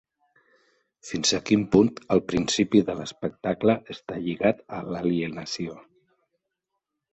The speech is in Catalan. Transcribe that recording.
Fins a quin punt el principi de l'espectacle està lligat a l'alienació?